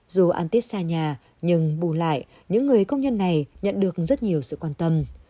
dù ăn tiết xa nhà nhưng bù lại những người công nhân này nhận được rất nhiều sự quan tâm